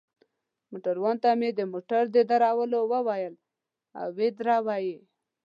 موټروان ته مې د موټر د درولو وویل، او ودروه يې.